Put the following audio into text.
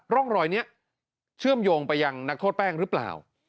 ร่องรอยนี้เชื่อมโยงไปยังนักโทษแป้งหรือเปล่า